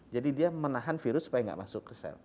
jadi dia menahan virus supaya gak masuk ke cell